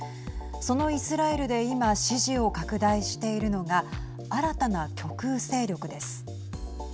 そのイスラエルで今支持を拡大しているのが新たな極右勢力です。